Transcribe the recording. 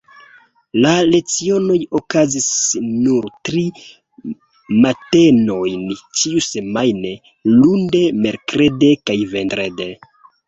La lecionoj okazis nur tri matenojn ĉiusemajne, lunde, merkrede kaj vendrede.